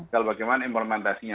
kalau bagaimana implementasinya